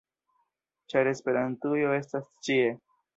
- ĉar Esperantujo estas ĉie!